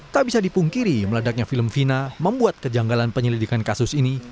hari meledaknya film vina membuat kejanggalan penyelidikan kasus ini